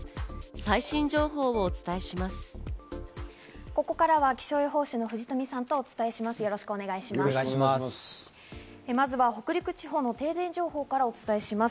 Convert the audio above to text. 最新情報をお伝えします。